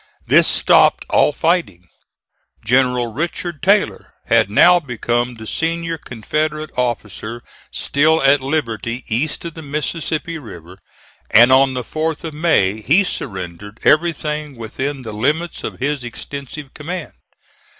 This stopped all fighting. General Richard Taylor had now become the senior Confederate officer still at liberty east of the Mississippi River, and on the 4th of May he surrendered everything within the limits of this extensive command.